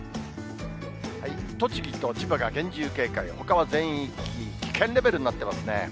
栃木と千葉が厳重警戒、ほかは全域、危険レベルになってますね。